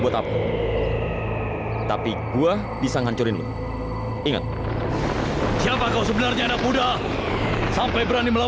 rupakan itu bisa kita tem dobong pada bentuk saat kepala